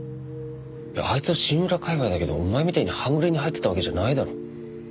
あいつはシンウラ界隈だけどお前みたいに半グレに入ってたわけじゃないだろ。